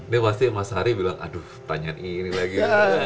mas hari bilang aduh pertanyaan ini lagi